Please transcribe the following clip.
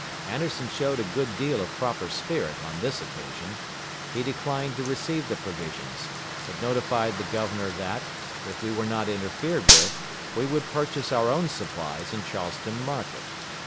Anderson showed a good deal of proper spirit on this occasion. He declined to receive the provisions, but notified the governor that, if we were not interfered with, we would purchase our own supplies in Charleston market.